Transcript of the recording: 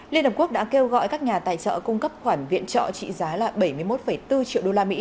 liên hợp quốc đã kêu gọi các nhà tài trợ cung cấp khoản viện trọ trị giá là bảy mươi một bốn triệu đô la mỹ